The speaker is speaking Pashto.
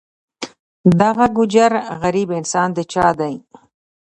دغه ګوجر غریب انسان د چا دی.